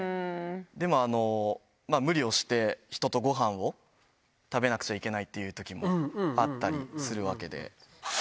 でも、無理をして、人とごはんを食べなくちゃいけないっていうときもあったりするわけで。